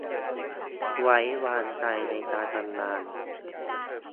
ไว้วางใจในการทำงาน